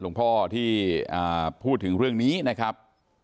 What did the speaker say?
หลวงพ่อที่พูดถึงเรื่องนี้นะครับ